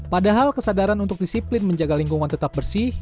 padahal kesadaran untuk disiplin menjaga lingkungan tetap bersih